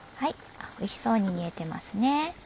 おいしそうに煮えてますね。